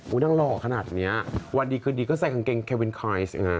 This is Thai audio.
นางหล่อขนาดนี้วันดีคืนดีก็ใส่กางเกงแควินไครส